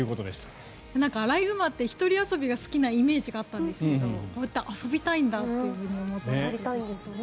アライグマって一人遊びが好きなイメージがあったんですけどこういった遊びたいんだと思ったんですね。